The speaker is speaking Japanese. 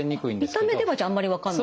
見た目ではじゃああんまり分かんない？